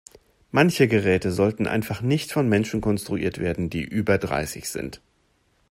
Manche Geräte sollten einfach nicht von Menschen konstruiert werden, die über dreißig sind.